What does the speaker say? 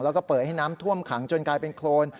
แล้วก็เปิดให้น้ำท่วมขังจนกลายเป็นโครน